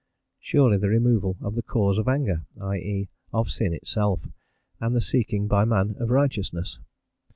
Surely the removal of the cause of anger, i.e., of sin itself, and the seeking by man of righteousness.